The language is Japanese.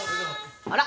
あら？